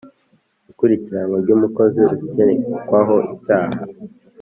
Ikurikiranwa ry umukozi ukekwaho icyaha.